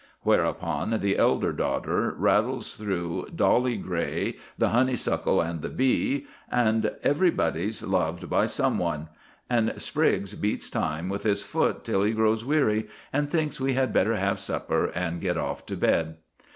Whereupon the elder daughter rattles through Dolly Gray, The Honeysuckle and the Bee, and Everybody's Loved by Some One; and Spriggs beats time with his foot till he grows weary, and thinks we had better have supper and get off to bed.